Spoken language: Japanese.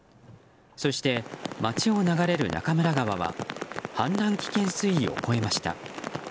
そして、町を流れる中村川は氾濫危険水位を超えました。